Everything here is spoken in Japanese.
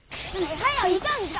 はよ行かんか。